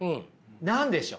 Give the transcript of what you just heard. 何でしょう？